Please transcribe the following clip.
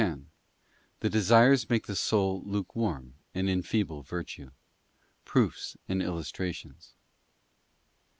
X The desires make the soul lukewarm, and enfeeble virtue. Proofs and illustrations.